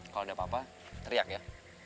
kalau ada apa apa teriak ya